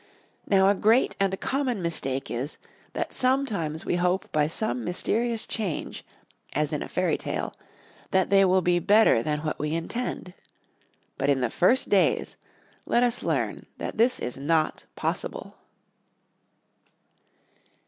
Now a great and a common mistake is, that sometimes we hope by some mysterious change, as in a fairy tale, that they will be better than what we intend. But in the first days let us learn that this is not possible.